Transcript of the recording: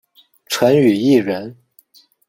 陈与义人。